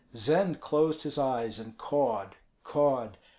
Zend closed his eyes and cawed, cawed.